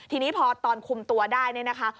ทีนี้พอตอนคุมตัวได้เนี่ยนะคะ